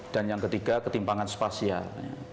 dan yang ketiga ketimpangan spasial